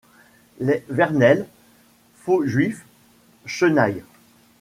Les Vernelles, Faujuif, Chenailles.